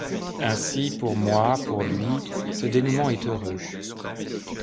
Ainsi, pour moi, pour lui, ce dénouement est heureux.